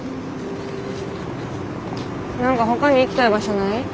何かほかに行きたい場所ない？